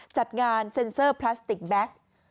จัดงานเซ็นเซอร์พลาสติกแบ็ค